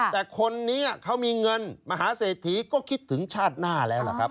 แต่คนนี้เขามีเงินมหาเศรษฐีก็คิดถึงชาติหน้าแล้วล่ะครับ